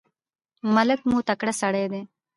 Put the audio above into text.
ملک مو تکړه سړی دی.